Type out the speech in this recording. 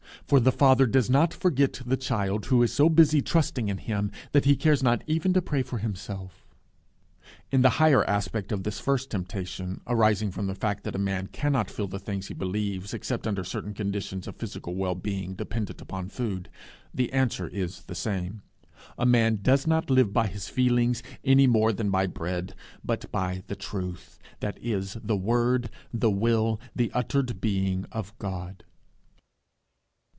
For the Father does not forget the child who is so busy trusting in him, that he cares not even to pray for himself. In the higher aspect of this first temptation, arising from the fact that a man cannot feel the things he believes except under certain conditions of physical well being dependent upon food, the answer is the same: A man does not live by his feelings any more than by bread, but by the Truth, that is, the Word, the Will, the uttered Being of God.